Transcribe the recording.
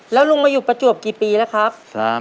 แล้วลุงมาอยู่ประจวบกี่ปีแล้วครับ